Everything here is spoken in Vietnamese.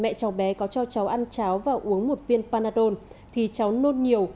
một ngày mẹ cháu bé có cho cháu ăn cháo và uống một viên panadol thì cháu nôn nhiều